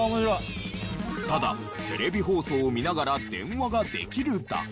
ただテレビ放送を見ながら電話ができるだけの商品。